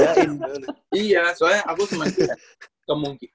iya soalnya aku kemarin